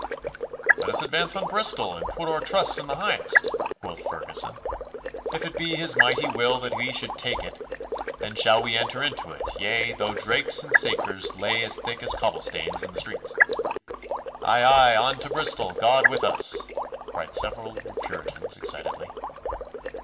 'Let us advance on Bristol, and put oor trust in the Highest,' quoth Ferguson. 'If it be His mighty will that we should tak' it, then shall we enter into it, yea, though drakes and sakers lay as thick as cobblestanes in the streets.' 'Aye! aye! On to Bristol! God with us!' cried several of the Puritans excitedly.